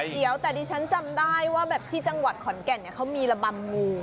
เดี๋ยวแต่ดิฉันจำได้ว่าแบบที่จังหวัดขอนแก่นเขามีระบำงู